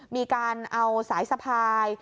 มีการเอาสายสะพาย